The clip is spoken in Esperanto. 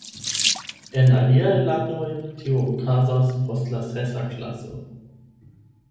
En aliaj landoj tio okazas post la sesa klaso.